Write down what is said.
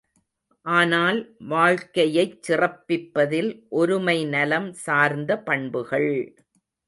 ஆனால் வாழ்க்கையைச் சிறப்பிப் பதில் ஒருமைநலம் சார்ந்த பண்புகள்!